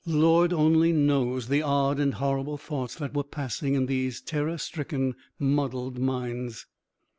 Lord only knows the odd and horrible thoughts that were passing in these terror stricken, muddled minds.